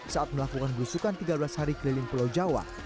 saat melakukan belusukan tiga belas hari keliling pulau jawa